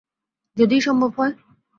যদিই সম্ভব হয়?